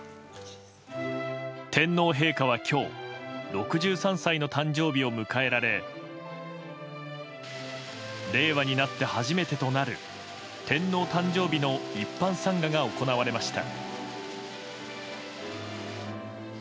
天皇陛下は今日６３歳の誕生日を迎えられ令和になって初めてとなる天皇誕生日の一般参賀が行われました。